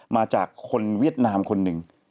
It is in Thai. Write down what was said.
มาจากคนเวียดนามคนหนึ่ง